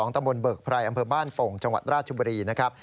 ตะบนเบิกไพรอำเภอบ้านโป่งจังหวัดราชบุรีนะครับ